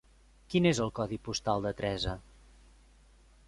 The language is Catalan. Quin és el codi postal de Teresa?